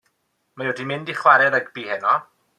Mae o 'di mynd i chwarae rygbi heno.